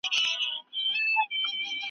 ټول قوانین د ژوند د حق ملاتړ کوي.